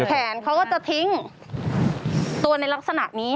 แขนเขาก็จะทิ้งตัวในลักษณะนี้